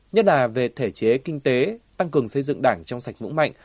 nhất là về thể chế kinh tế tăng cường xây dựng đảng trong sạch vững mạnh